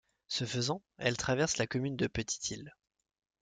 Ce faisant, elle traverse la commune de Petite-Île.